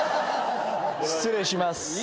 失礼します。